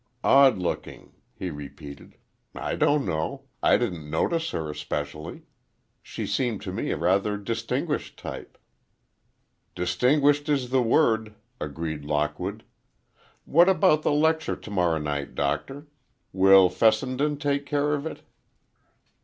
"Odd looking," he repeated; "I don't know. I didn't notice her especially. She seemed to me a rather distinguished type." "Distinguished is the word," agreed Lockwood. "What about the lecture tomorrow night, Doctor? Will Fessenden take care of it?"